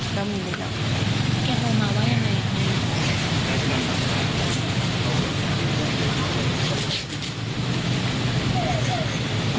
ครับ